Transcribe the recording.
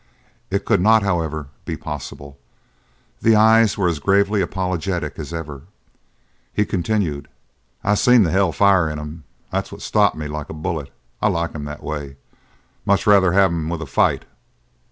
It could not, however, be possible. The eyes were as gravely apologetic as ever. He continued: "I seen the hell fire in him. That's what stopped me like a bullet. I like 'em that way. Much rather have 'em with a fight.